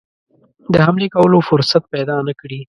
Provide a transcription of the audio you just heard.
د حملې کولو فرصت پیدا نه کړي.